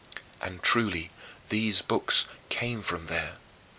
And truly these books came from there.